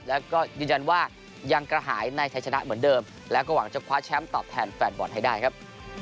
แล้วก็ยืนยันว่ายังกระหายในชัยชนะเหมือนเดิมแล้วก็หวังจะคว้าแชมป์ตอบแทนแฟนบอลให้ได้ครับ